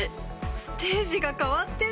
ステージが変わってる！